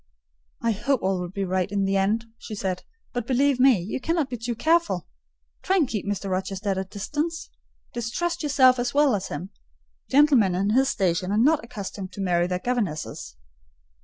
"I hope all will be right in the end," she said: "but believe me, you cannot be too careful. Try and keep Mr. Rochester at a distance: distrust yourself as well as him. Gentlemen in his station are not accustomed to marry their governesses."